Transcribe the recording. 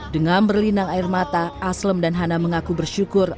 dengan berlinang air mata aslem dan hana mengaku bersyukur